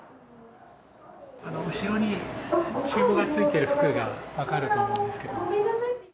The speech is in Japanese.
後ろにチューブがついてる服が分かると思うんですけど。